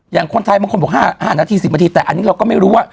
อย่างคนไทยบางคนบอก๕นาที๑๐นาทีแต่อันนี้เราก็ไม่รู้ว่า